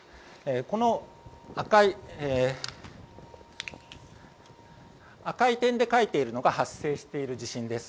この赤い点で書いているのが発生している地震です。